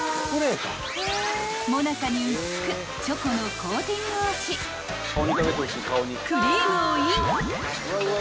［モナカに薄くチョコのコーティングをしクリームをイン］